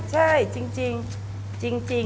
ใช่จริง